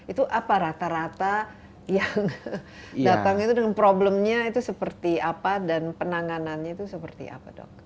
itu apa rata rata yang datang itu dengan problemnya itu seperti apa dan penanganannya itu seperti apa dok